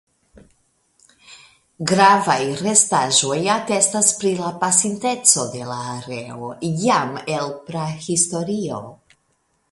Gravaj restaĵoj atestas pri la pasinteco de la areo jam el prahistorio.